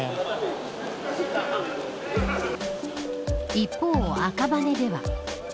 一方、赤羽では。